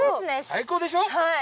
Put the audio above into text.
最高でしょ？